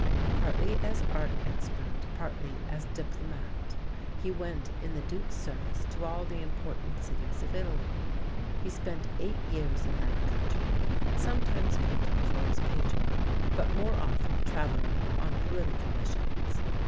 Partly as art expert, partly as diplomat, he went in the Duke's service to all the important cities of Italy. He spent eight years in that country, sometimes painting for his patron, but more often travelling on political missions.